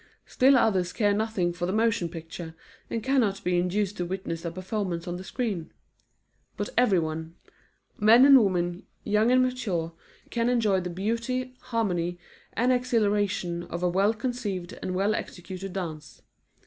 Still others care nothing for the motion picture, and cannot be induced to witness a performance on the screen. But everyone men and women, young or mature, can enjoy the beauty, harmony, and exhilaration of a well conceived and well executed dance.